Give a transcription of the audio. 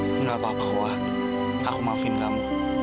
aku nggak mau bapakku pak aku mau film kamu